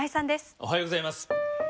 おはようございます。